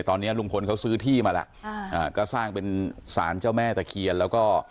ตอนนี้ลุงพลเขาซื้อที่มาแล้วก็สร้างเป็นสารเจ้าแม่ตะเคียนแล้วก็